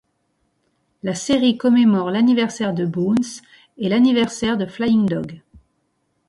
La série commémore le anniversaire de Bones et le anniversaire de Flying Dog.